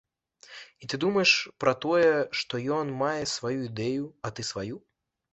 І ты думаеш, пра тое, што ён мае сваю ідэю, а ты сваю.